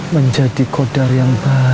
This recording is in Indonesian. menjadi kodar yang baik